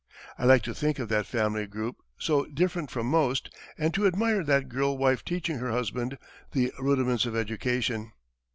I like to think of that family group, so different from most, and to admire that girl wife teaching her husband the rudiments of education.